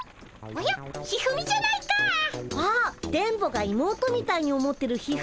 あっ電ボが妹みたいに思ってる一二三ちゃん。